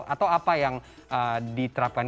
atau apa yang diterapkan